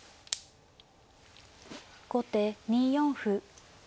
後手２四歩。